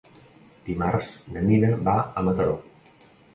Dimarts na Nina va a Mataró.